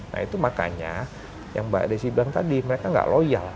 nah itu makanya yang mbak desi bilang tadi mereka nggak loyal